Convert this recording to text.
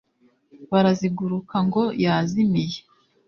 baraziguruka ngo yazimiye.